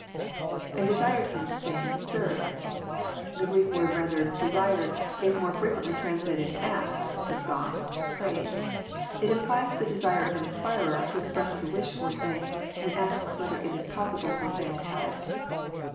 {And desired him, saying, SirJ] The Greek word rendered desired " is more flreqoently translated, ''asked," *' besonght," «* prayed." It implies the desire of an inquirer who expresses a wish for a thing, and asks whether it is possible for him to have it.